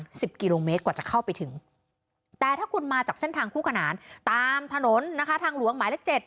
ประมาณ๑๐กิโลเมตรกว่าจะเข้าไปถึงแต่ถ้าคุณมาจากเส้นทางภูเกณฑ์ตามถนนทางหลวงหมายเลข๗